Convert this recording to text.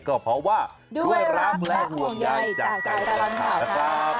ก็เพราะว่าด้วยรักและห่วงใยจากการแข่งขันนะครับ